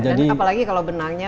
apalagi kalau benangnya